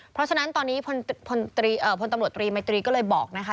เพราะฉะนั้นตอนนี้พลตำรวจตรีมัยตรีก็เลยบอกนะคะ